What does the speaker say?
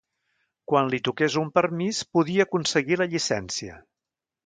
Quan li toqués un permís podia aconseguir la llicència